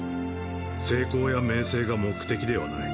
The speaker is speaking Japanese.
成功や名声が目的ではない